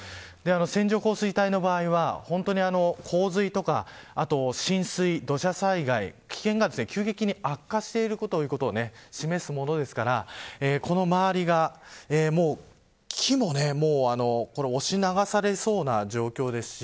線状降水帯の場合は本当に洪水とかあと浸水、土砂災害危険が急激に悪化しているということを示すものですからこの周りが木も押し流されそうな状況ですし。